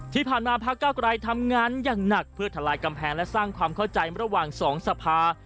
ที่ผ่านมาพระเก้าไกรทำงานอย่างหนักเพื่อทลายกำแพงและสร้างความเข้าใจระหว่างสองสภา